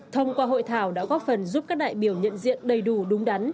thông qua hội thảo đã góp phần giúp các đại biểu nhận diện đầy đủ đúng đắn